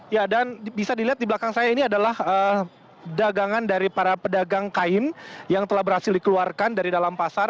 ya dan bisa dilihat di belakang saya ini adalah dagangan dari para pedagang kain yang telah berhasil dikeluarkan dari dalam pasar